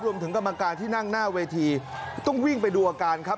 รวมถึงกำลังการที่นั่งหน้าเวทีต้องวิ่งไปดูอาการครับ